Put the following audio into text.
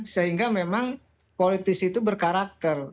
sehingga memang politisi itu berkarakter